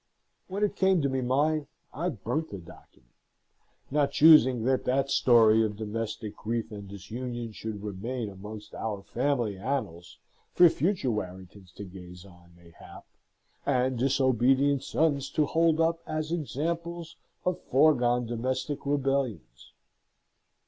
When it came to be mine I burnt the document, not choosing that that story of domestic grief and disunion should remain amongst our family annals for future Warringtons to gaze on, mayhap, and disobedient sons to hold up as examples of foregone domestic rebellions.